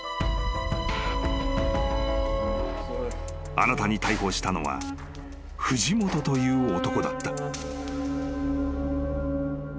［新たに逮捕したのは藤本という男だった］